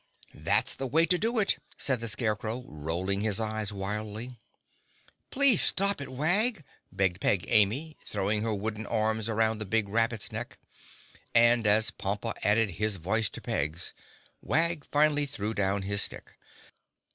"That's the way to do it," said the Scarecrow, rolling his eyes wildly. "Please stop it, Wag," begged Peg Amy, throwing her wooden arms around the big rabbit's neck, and as Pompa added his voice to Peg's, Wag finally threw down his stick.